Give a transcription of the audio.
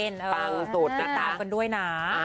ใช่ตามกันด้วยนะ